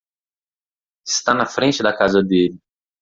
Está na frente da casa dele.